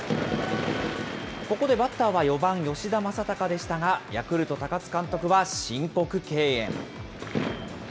ここでバッターは４番吉田正尚でしたが、ヤクルト、高津監督は申告敬遠。